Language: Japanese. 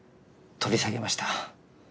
取り下げました。